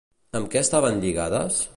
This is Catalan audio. Amb què estaven lligades?